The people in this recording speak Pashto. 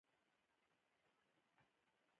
نو ولې په پاکستان کښې جهاد نه کيي.